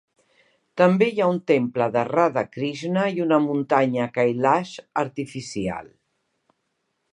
També hi ha un temple de Radha Krishna i una muntanya Kailash artificial.